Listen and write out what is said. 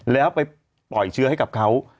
แล้วไปปล่อยเชื้อให้กับเขา